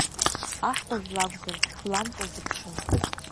Аҳкәажә лакәзар шә-блак лзыԥшын.